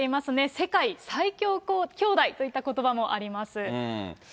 世界最強兄妹といったことばもあります。